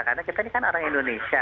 karena kita ini kan orang indonesia